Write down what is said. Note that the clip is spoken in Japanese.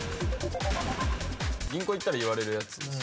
銀行行ったら言われるやつ。